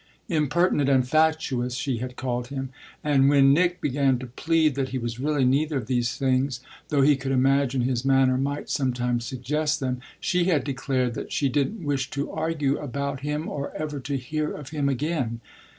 Impertinent and fatuous she had called him; and when Nick began to plead that he was really neither of these things, though he could imagine his manner might sometimes suggest them, she had declared that she didn't wish to argue about him or ever to hear of him again.